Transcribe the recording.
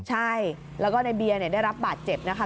ใช่แล้วก็ในเบียร์ได้รับบาดเจ็บนะคะ